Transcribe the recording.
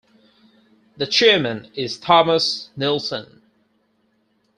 The chairman is Thomas Neelsen.